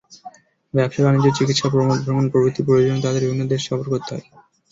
ব্যবসা-বাণিজ্য, চিকিৎসা, প্রমোদ ভ্রমণ প্রভৃতি প্রয়োজনে তাদের বিভিন্ন দেশ সফর করতে হয়।